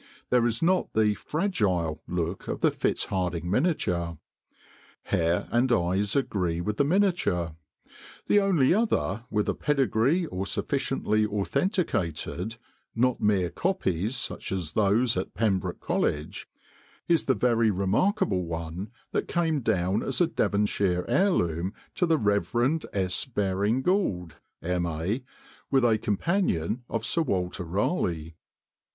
There is not the 'fragile' look of the Fitzhardinge miniature. Hair and eyes agree with the miniature. The only other with a pedigree or sufficiently authenticated, not mere 'copies,' such as those at Pembroke College, is the very remarkable one that came down as a Devonshire heirloom to the Rev. S. Baring Gould, M.A., with a companion of Sir Walter Raleigh.